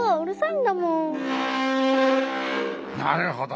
なるほど。